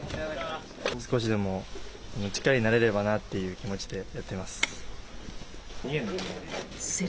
少しでも力になれればなっていう気持ちでやってます。